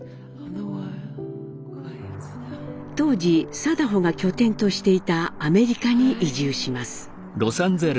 当時禎穗が拠点としていたアメリカに移住します。